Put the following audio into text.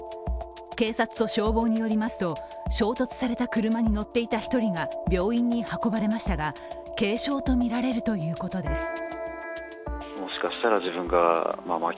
警察と消防によりますと、衝突された車に乗っていた１人が病院に運ばれましたが軽傷とみられるということです。